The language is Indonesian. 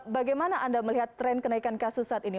bagaimana anda melihat tren kenaikan kasus saat ini